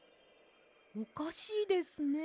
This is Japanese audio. おかしいですね。